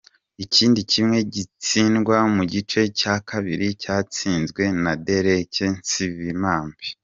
Ikindi kimwe gitsindwa mu gice cya kabiri cyatsinzwe na Deriki Nsibambi.